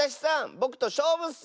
ぼくとしょうぶッス！